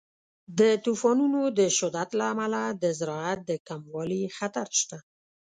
د طوفانونو د شدت له امله د زراعت د کموالي خطر شته.